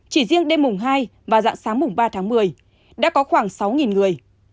chỉ riêng đêm mùng hai và dạng sáng mùng ba tháng một mươi đã có khoảng sáu người